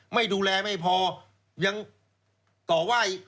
ไม่ดูแลไม่พอยังก่อไหว้